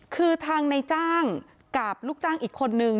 คือทางในจ้างกับลูกจ้างอีกคนนึง